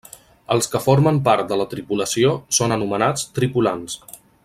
Els que formen part de la tripulació són anomenats tripulants.